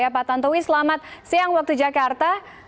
pak tantowi selamat siang waktu jakarta